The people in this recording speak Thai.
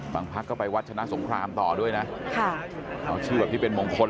พักก็ไปวัดชนะสงครามต่อด้วยนะเอาชื่อแบบที่เป็นมงคล